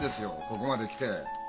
ここまで来て。